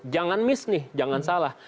jangan miss nih jangan salah